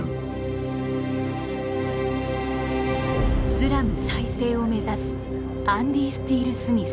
スラム再生を目指すアンディ・スティールスミス。